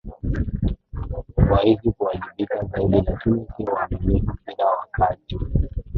wahisi kuwajibika zaidi Lakini sio waaminifu kila wakati